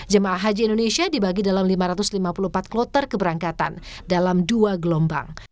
jemaah haji indonesia dibagi dalam lima ratus lima puluh empat kloter keberangkatan dalam dua gelombang